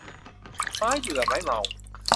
ไม้เบื่อไม้เมา